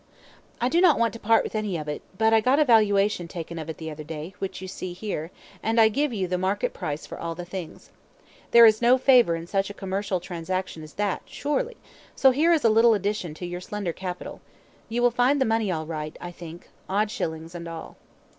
"I do not want to part with any of it, but I got a valuation taken of it the other day, which you see here, and I give you the market price for all the things. There is no favour in such a commercial transaction as that surely, so here is a little addition to your slender capital. You will find the money all right, I think, odd shillings and all."